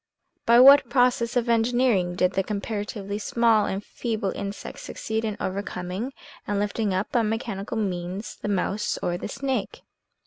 By what process of engineering did the comparatively small and feeble insect succeed in overcoming and lifting up by mechanical means, the mouse or the snake